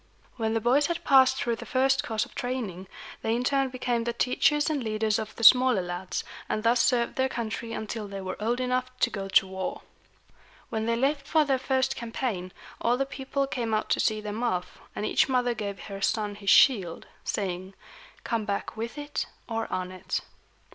When the boys had passed through the first course of training, they in turn became the teachers and leaders of the smaller lads, and thus served their country until they were old enough to go to war. When they left for their first campaign, all the people came out to see them off, and each mother gave her son his shield, saying, "Come back with it or on it."